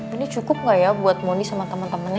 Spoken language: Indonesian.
ini cukup gak ya buat moni sama temen temennya